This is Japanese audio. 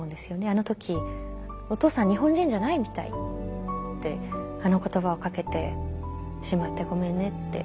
あの時「お父さん日本人じゃないみたい」ってあの言葉をかけてしまってごめんねって。